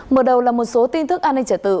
mở đầu là một số tin thức an ninh trẻ tự